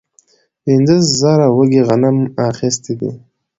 پنځه زره وږي غنم اخیستي دي.